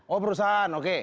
oh perusahaan oke